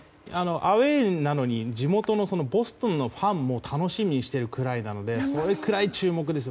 アウェーなのに地元ボストンのファンも楽しみにしているぐらいなのでそれくらい注目です。